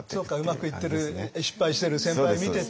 うまくいってる失敗してる先輩を見てて。